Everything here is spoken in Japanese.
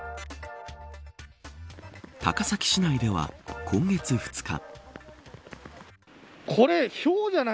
高崎市内では今月２日。